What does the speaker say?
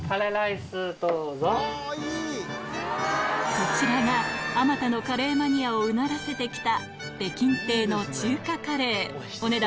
こちらが数多のカレーマニアをうならせてきた北京亭の中華カレーお値段